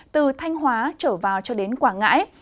từ thanh hóa trở vào cho đến quảng ngãi